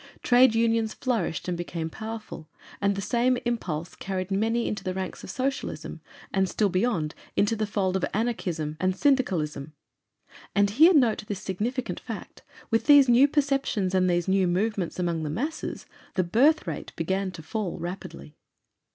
Trade unions flourished and became powerful, and the same impulse carried many into the ranks of socialism, and still beyond into the fold of anarchism and syndicalism. And, here note this significant fact, with these new perceptions and these new movements among the masses, THE BIRTH RATE BEGAN TO FALL RAPIDLY.